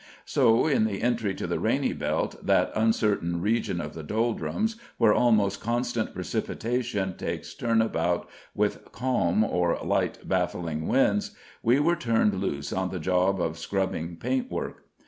So in the entry to the rainy belt, that uncertain region of the doldrums where almost constant precipitation takes turn about with calm or light baffling winds, we were turned loose on the job of scrubbing paintwork.